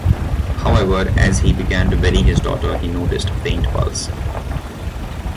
However, as he began to bury his daughter, he noticed a faint pulse.